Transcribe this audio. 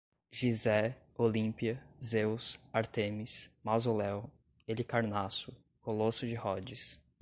Gizé, Olímpia, Zeus, Ártemis, Mausoléu, Helicarnasso, Colosso de Rodes